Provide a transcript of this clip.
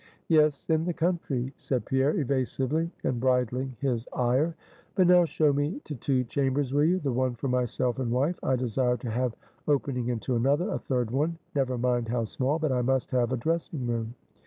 "Yes, in the country," said Pierre, evasively, and bridling his ire. "But now show me to two chambers, will you; the one for myself and wife, I desire to have opening into another, a third one, never mind how small; but I must have a dressing room."